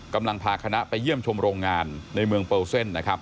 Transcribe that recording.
กำลังพาคณะไปเยี่ยมชมโรงงานในเมืองเปอร์เซ่น